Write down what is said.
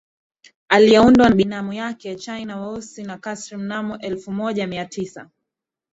aliyeundwa na binamu yake China weusi na Kasir Mnamo elfu moja mia tisa